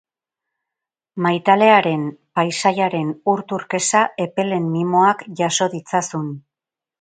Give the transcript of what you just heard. Maitalearen, paisaiaren, ur turkesa epelen mimoak jaso ditzazun.